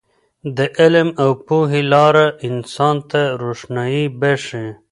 د علم او پوهې لاره انسان ته روښنايي بښي.